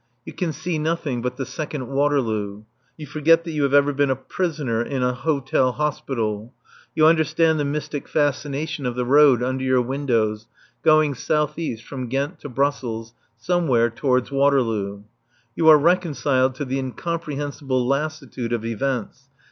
You can see nothing but the second Waterloo. You forget that you have ever been a prisoner in an Hotel Hospital. You understand the mystic fascination of the road under your windows, going south east from Ghent to Brussels, somewhere towards Waterloo. You are reconciled to the incomprehensible lassitude of events.